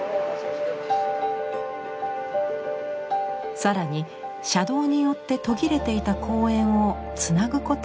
更に車道によって途切れていた公園をつなぐことを提案。